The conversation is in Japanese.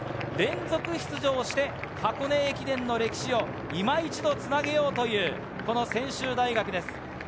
連続出場して箱根駅伝の歴史を今一度つなげようという専修大学です。